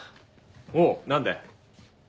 おう何だよ。